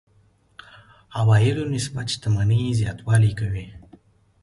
عوایدو نسبت شتمنۍ زياتوالی کوي.